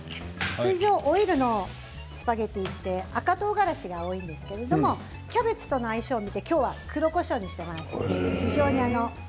通常オイルのスパゲッティは赤とうがらしが多いんですがキャベツとの相性で今日は黒こしょうにしています。